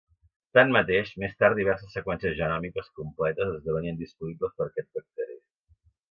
Tanmateix, més tard diverses seqüències genòmiques completes esdevenien disponibles per aquests bacteris.